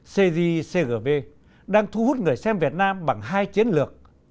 cgcgv đang thu hút người xem việt nam bằng hai chiến lược